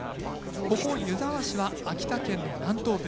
ここ湯沢市は秋田県の南東部